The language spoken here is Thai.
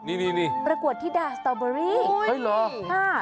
นี่นี่ประกวดธิดาสตอเบอรี่เฮ้ยเหรอ